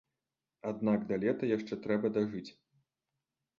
Аднак да лета яшчэ трэба дажыць.